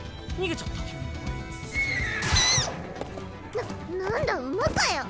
ななんだ馬かよ。